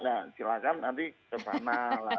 nah silakan nanti kemana